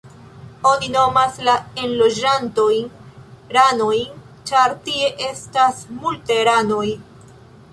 Oni nomas la enloĝantojn ranojn ĉar tie estas multe ranoj.